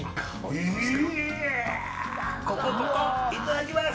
いただきます！